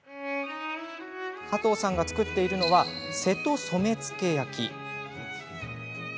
加藤さんが作っているのは瀬戸染付焼。